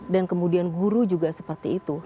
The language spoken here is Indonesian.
dan kemudian guru juga seperti itu